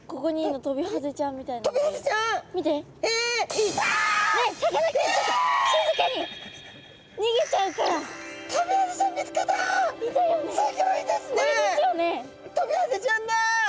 トビハゼちゃんだ！